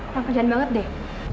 tak kejadian banget deh